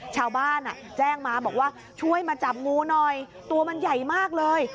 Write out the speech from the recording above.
ชาวบ้านแจ้งมาบอกว่าช่วยมาจับงูหน่อยตัวมันใหญ่มากเลย